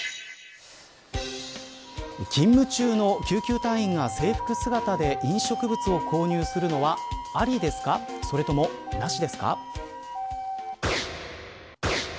勤務中の救急隊員が制服姿で飲食物を購入するのはありですかそれともなしですか。